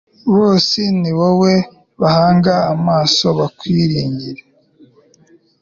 bose ni wowe bahanga amaso bakwiringiye